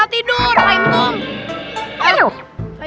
kalah tidur ayo betul